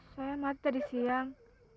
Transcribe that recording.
saya mati tadi siang